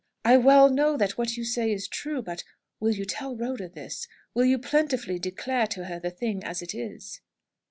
I well know that what you say is true; but will you tell Rhoda this? Will you plentifully declare to her the thing as it is?"